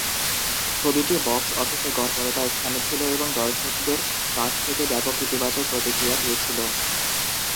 ছবিটি বক্স অফিসে গড়পড়তা স্থানে ছিল এবং দর্শকদের কাছ থেকে ব্যাপক ইতিবাচক প্রতিক্রিয়া পেয়েছিল।